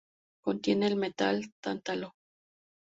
Contiene el metal "tántalo".